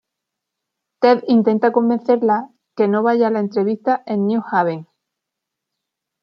Ted intenta convencerla que no vaya a la entrevista en New Haven.